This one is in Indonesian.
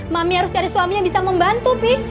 mami harus cari suami yang bisa membantu pi